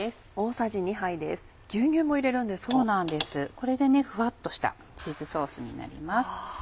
これでふわっとしたチーズソースになります。